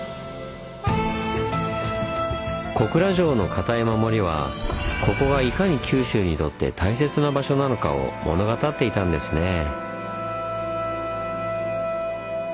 小倉城の堅い守りはここはいかに九州にとって大切な場所なのかを物語っていたんですねぇ。